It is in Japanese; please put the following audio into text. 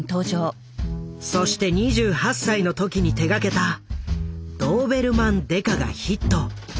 そして２８歳の時に手がけた「ドーベルマン刑事」がヒット。